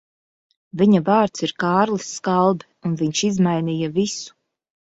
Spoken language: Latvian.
Viņa vārds ir Kārlis Skalbe, un viņš izmainīja visu.